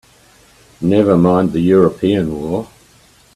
Never mind the European war!